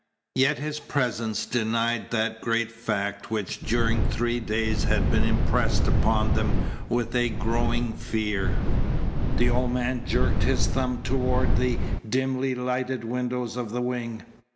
Yet his presence denied that great fact which during three days had been impressed upon them with a growing fear. The old man jerked his thumb toward the dimly lighted windows of the wing.